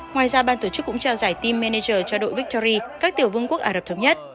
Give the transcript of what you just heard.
ngoài ra ban tổ chức cũng trao giải team manager cho đội victoria các tiểu vương quốc ả rập thống nhất